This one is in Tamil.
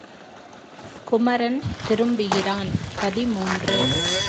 குமரன் திரும்புகிறான் பதிமூன்று.